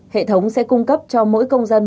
hệ thống sẽ cung cấp cho mỗi công dân